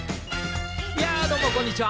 どうもこんにちは。